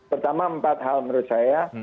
pertama empat hal menurut saya